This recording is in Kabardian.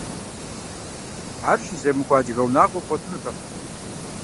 Ар щыземыкӀуэ адыгэ унагъуэ бгъуэтынутэкъым.